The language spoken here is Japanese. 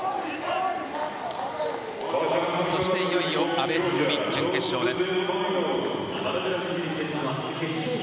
そしていよいよ阿部一二三、準決勝です。